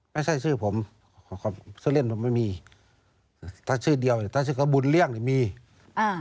ไม่ใช่ชื่อผมชื่อเล่นผมไม่มีถ้าชื่อเดียวถ้าชื่อเขาบุญเลี่ยงนี่มีอ่า